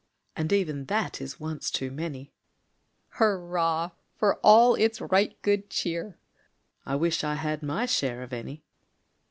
(And even that is once too many;) Hurrah for all its right good cheer! (_I wish I had my share of any!